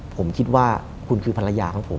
ผมคิดว่าคุณคือภรรยาของผม